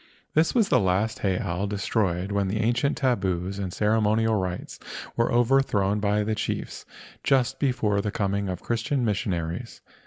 This was the last heiau destroyed when the ancient tabus and ceremonial rites were overthrown by the chiefs just before the coming of Christian missionaries.